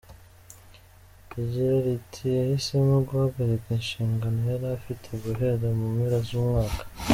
Rigira riti “Yahisemo guhagarika inshingano yari afite guhera mu mpera z’umwaka.